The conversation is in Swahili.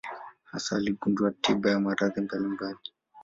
Hasa aligundua tiba ya maradhi mbalimbali.